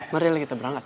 mari kita berangkat